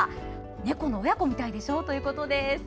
猫の親子みたいでしょ？ということです。